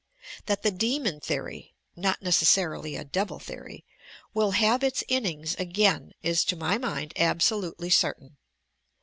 That the demon theory (not necessarily a devil theory), will have its innings again is to my mind absolutely certain.